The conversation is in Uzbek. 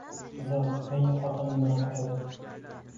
Qiziq, nega xotinim bunaqa dedi